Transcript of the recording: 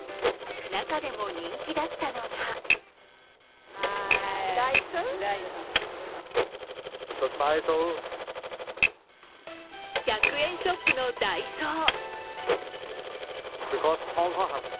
中でも人気だったのが１００円ショップのダイソー。